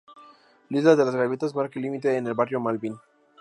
La Isla de las Gaviotas marca el límite con el barrio Malvín.